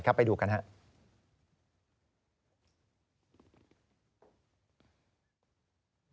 ครับไปดูกันครับ